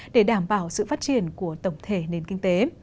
để đảm bảo sự phát triển của tổng thể nền kinh tế